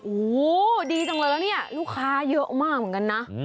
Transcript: โอ้โหดีจังเลยแล้วเนี่ยลูกค้าเยอะมากเหมือนกันนะ